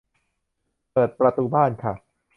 เปิดประตูบ้านค่ะ